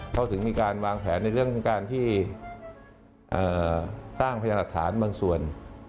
เขาถึงมีการวางแผนในเรื่องของการที่สร้างพยานหลักฐานบางส่วน